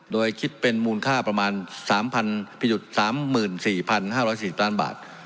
โดยคิดเป็นมูลค่าประมาณสามพันพิจุดสามหมื่นสี่พันห้าร้อยสิบจานบาท